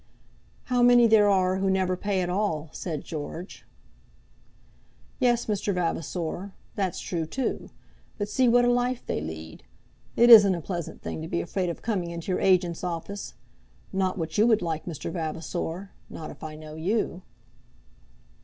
"How many there are who never pay at all," said George. "Yes, Mr. Vavasor; that's true, too. But see what a life they lead. It isn't a pleasant thing to be afraid of coming into your agent's office; not what you would like, Mr. Vavasor; not if I know you."